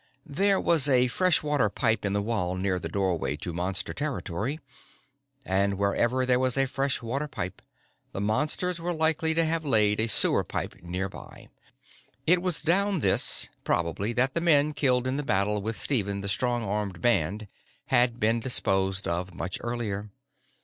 There was a fresh water pipe in the wall near the doorway to Monster territory. And wherever there was a fresh water pipe, the Monsters were likely to have laid a sewer pipe nearby. It was down this, probably, that the men killed in the battle with Stephen the Strong Armed's band had been disposed of much earlier.